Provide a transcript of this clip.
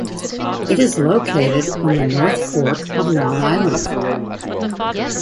It is located on the north fork of Long Island.